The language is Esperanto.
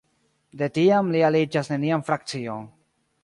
De tiam li aliĝas nenian frakcion.